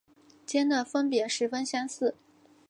间的分别十分相似。